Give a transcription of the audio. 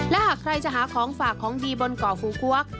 และหากใครจะหาของฝากของดีบนเกาะฟูควัก